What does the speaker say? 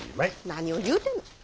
何を言うてんねん！